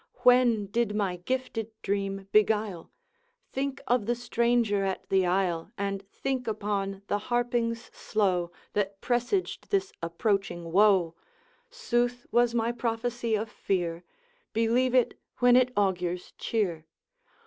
When did my gifted dream beguile? Think of the stranger at the isle, And think upon the harpings slow That presaged this approaching woe! Sooth was my prophecy of fear; Believe it when it augurs cheer.